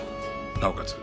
なおかつ